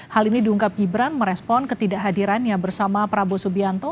hal ini diungkap gibran merespon ketidakhadirannya bersama prabowo subianto